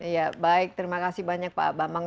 ya baik terima kasih banyak pak bambang